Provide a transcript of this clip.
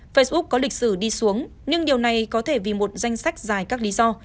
facebook có lịch sử đi xuống nhưng điều này có thể vì một danh sách dài các lý do